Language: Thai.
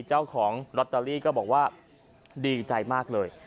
เจ้าของลอตเตอรี่ก็บอกว่าดีใจมากเลย